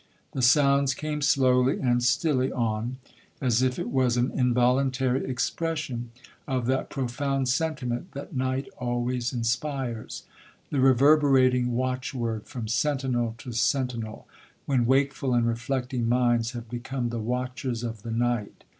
The sounds came slowly and stilly on, as if it was an involuntary expression of that profound sentiment that night always inspires,—the reverberating watch word from sentinel to sentinel, when wakeful and reflecting minds have become the 'watchers of the night.'